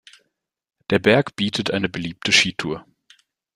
Der Berg bietet eine beliebte Skitour.